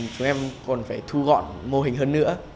chúng em còn phải thu gọn mô hình hơn nữa